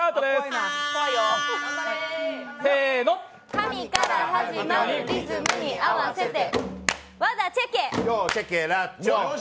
かみから始まるリズムに合わせて。